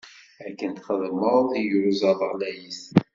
Akken txedmeḍ, iyuzaḍ ɣlayit.